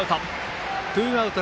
ツーアウト。